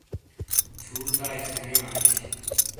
چھوتائی سانیاں اش۔